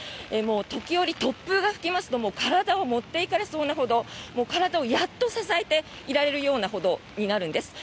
時折、突風が吹きますと体を持っていかれそうなほど体をやっと支えていられるようなほどになるんです。